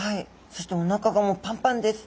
そしておなかがもうパンパンです。